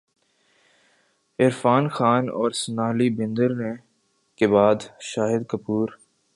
عرفان خان اور سونالی بیندر ے کے بعد شاہد کپور